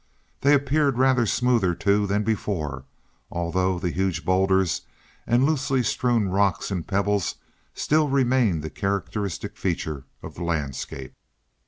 They appeared rather smoother, too, than before, although the huge bowlders and loosely strewn rocks and pebbles still remained the characteristic feature of the landscape.